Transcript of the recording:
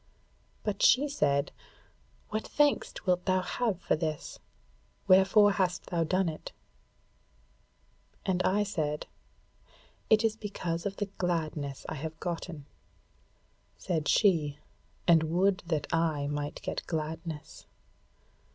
But she said: 'What thanks wilt thou have for this? Wherefore hast thou done it?' And I said, 'It is because of the gladness I have gotten.' Said she, 'And would that I might get gladness!'